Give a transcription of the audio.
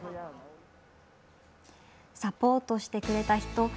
サポートしてくれた人